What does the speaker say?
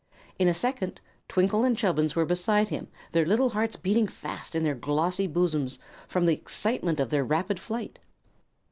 In a second Twinkle and Chubbins were beside him, their little hearts beating fast in their glossy bosoms from the excitement of their rapid flight.